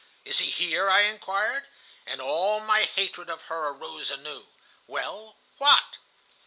"'Is he here?' I inquired. "And all my hatred of her arose anew. "Well, what?